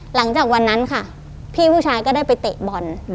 หลังจากนั้นค่ะพี่ผู้ชายก็ได้ไปเตะบอล